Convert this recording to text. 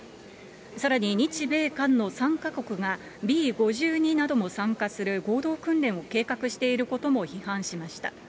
さらに日米韓の３か国がＢ５２なども参加する合同訓練を計画していることも批判しました。